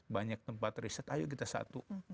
banyak tempat riset ayo kita satu